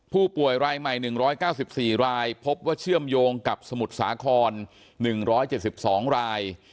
ผู้ป่วยรายใหม่๑๙๔รายพบว่าเชื่อมโยงกับสมุทรสาคร๑๗๒ราย